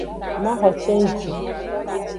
Maxo cenji.